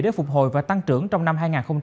để phục hồi và tăng trưởng trong năm hai nghìn hai mươi